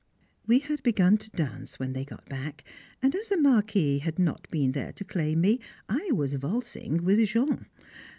We had begun to dance when they got back, and, as the Marquis had not been there to claim me, I was valsing with Jean.